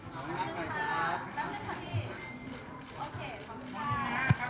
ขอขอบคุณหน่อยนะคะ